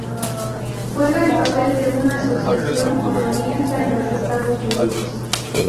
Juega el papel de una asociación honorífica en los Estados Unidos.